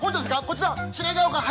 こちら。